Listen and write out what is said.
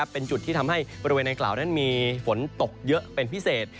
เป็นจุดที่ทำให้บริเวณดังกล่าวนั้นมีฝนตกเยอะเป็นพิเศษ